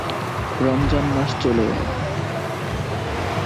রমজান মাস চলে এলো।